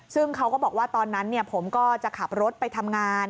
ซึ่งเขาก็บอกว่าตอนนั้นผมก็จะขับรถไปทำงาน